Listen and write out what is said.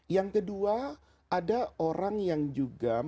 yang kedua ada orang yang juga